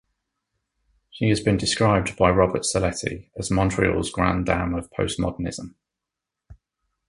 She has been described by Robert Saletti as "Montreal's grande dame of postmodernism".